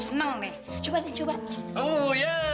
tetap tetap menjadi ibu pulangnya